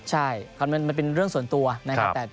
ใช่มันเป็นเรื่องส่วนตัวนะครับ